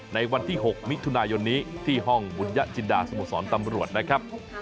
ในวันที่๖มิถุนายนนี้ที่ห้องบุญยจินดาสโมสรตำรวจนะครับ